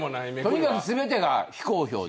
とにかく全てが非公表。